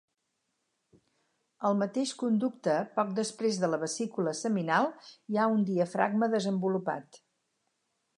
Al mateix conducte, poc després de la vesícula seminal, hi ha un diafragma desenvolupat.